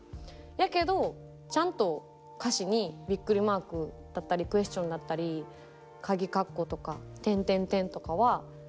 やけどちゃんと歌詞にビックリマークだったりクエスチョンだったりかぎ括弧とかとかはつけます。